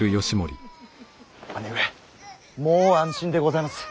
姉上もう安心でございます。